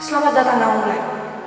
selamat datang amulet